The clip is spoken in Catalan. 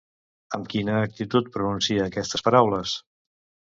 Amb quina actitud pronuncia aquestes paraules?